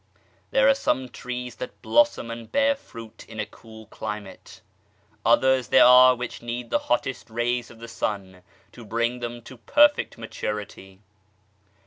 There are some trees that blossom and bear fruit in a cool climate, others there are which need the hottest rays of the sun to bring them to perfect maturity.